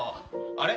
あれ？